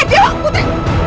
eh dewa putri